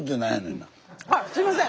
あすいません！